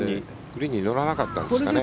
グリーンに乗らなかったんですかね。